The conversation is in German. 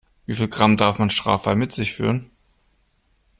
Wie viel Gramm darf man straffrei mit sich führen?